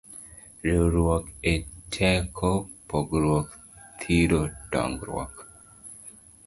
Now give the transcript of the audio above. Riwruok e teko, pogruok thiro dongruok